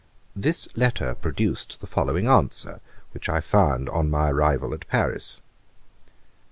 This letter produced the following answer, which I found on my arrival at Paris.